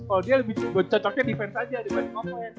kalau dia lebih cocoknya defense aja dibanding ngomong